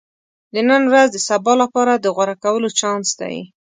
• د نن ورځ د سبا لپاره د غوره کولو چانس دی.